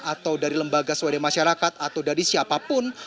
atau dari lembaga swadaya masyarakat atau dari siapapun